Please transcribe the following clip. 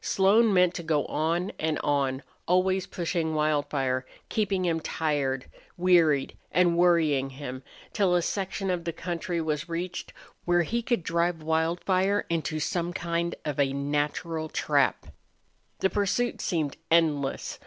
Slone meant to go on and on, always pushing Wildfire, keeping him tired, wearied, and worrying him, till a section of the country was reached where he could drive Wildfire into some kind of a natural trap. The pursuit seemed endless.